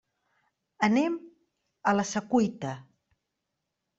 Anem a la Secuita.